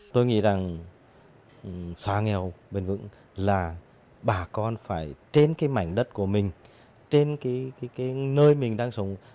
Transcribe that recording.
tôi nghĩ rằng xóa nghèo bền vững là bà con phải trên cái mảnh đất của mình trên cái nơi mình đang sống